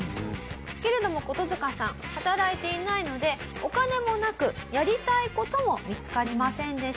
けれどもコトヅカさん働いていないのでお金もなくやりたい事も見つかりませんでした。